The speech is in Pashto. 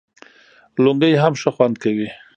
لنګۍ هم ښه خوند کوي